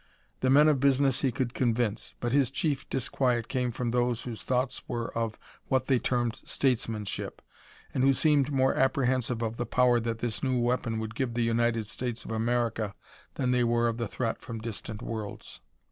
The men of business he could convince, but his chief disquiet came from those whose thoughts were of what they termed "statesmanship," and who seemed more apprehensive of the power that this new weapon would give the United States of America than they were of the threat from distant worlds.